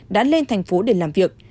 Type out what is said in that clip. đã lên thành phố để làm việc